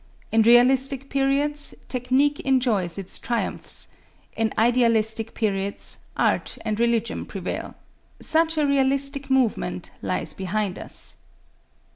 In realistic periods, technique enjoys its triumphs; in idealistic periods, art and religion prevail. Such a realistic movement lies behind us.